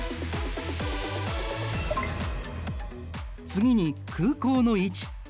次に空港の位置。